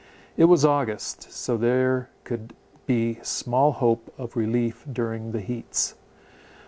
It was August; so there could be small hope of relief during the heats.